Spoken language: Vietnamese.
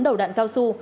bốn đầu đạn cao su